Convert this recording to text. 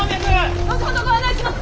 後ほどご案内します！